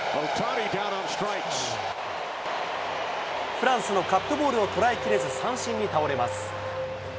フランスのカットボールを捉えきれず、三振に倒れます。